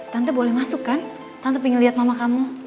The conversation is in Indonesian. tante boleh masuk kan tante pengen liat mama kamu